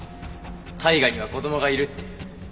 大我には子供がいるって。